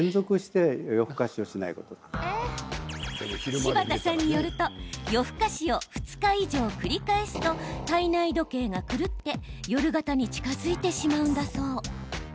柴田さんによると夜更かしを２日以上繰り返すと体内時計が狂って夜型に近づいてしまうんだそう。